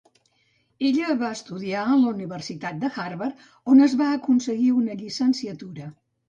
Ella va estudiar a la universitat de Harvard on es va aconseguir una llicenciatura.